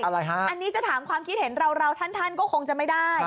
อันนี้จะถามความคิดเห็นเราท่านก็คงจะไม่ได้